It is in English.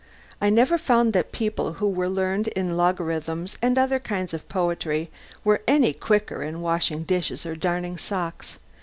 I never found that people who were learned in logarithms and other kinds of poetry were any quicker in washing dishes or darning socks.